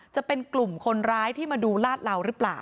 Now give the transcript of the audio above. จะเป็นกลุ่มคนร้ายที่มาดูลาดเหลาหรือเปล่า